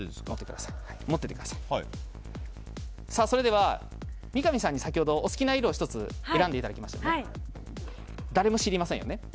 それでは、三上さんに先ほどお好きな色を１つ選んでいただきましたよね。